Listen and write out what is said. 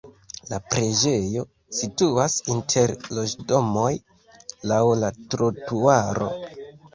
La preĝejo situas inter loĝdomoj laŭ la trotuaro.